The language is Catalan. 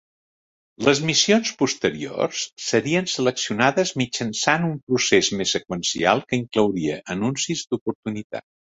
Les missions posteriors serien seleccionades mitjançant un procés més seqüencial que inclouria Anuncis d'oportunitat.